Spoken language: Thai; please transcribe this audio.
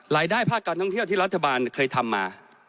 ภาคการท่องเที่ยวที่รัฐบาลเคยทำมา